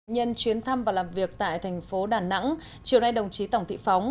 nhân chuyến thăm và làm việc tại thành phố đà nẵng chiều nay đồng chí tổng thị phóng